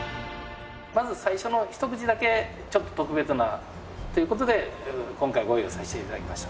まず最初の一口だけちょっと特別なということで今回ご用意させていただきました。